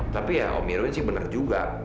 tapi ya om irwin sih bener juga